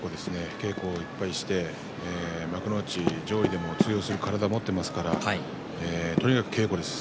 稽古をいっぱいして幕内上位でも通用する体を持っていますからとにかく稽古です。